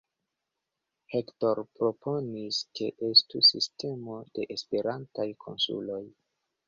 Hector proponis, ke estu sistemo de Esperantaj konsuloj.